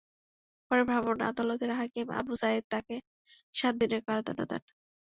পরে ভ্রাম্যমাণ আদালতের হাকিম আবু সাইদ তাঁকে সাত দিনের কারাদণ্ড দেন।